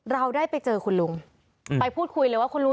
เราได้ไปเจอคุณลุงไปพูดคุยเลยว่าคุณลุง